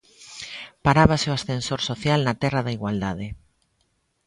Parábase o ascensor social na terra da igualdade.